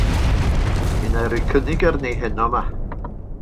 Mi 'nai roi cynnig arni heno 'ma.